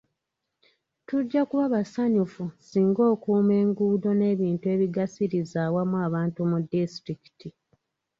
Tujja kuba basanyufu singa okuuma enguudo n'ebintu ebigasiriza awamu abantu mu disitulikiti.